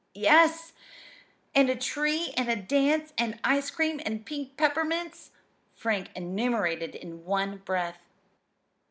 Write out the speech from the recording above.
"Yes; and a tree, and a dance, and ice cream, and pink peppermints," Frank enumerated in one breath.